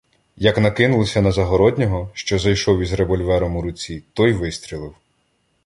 Як накинулися на Загороднього, що зайшов із револьвером у руці, той вистрілив.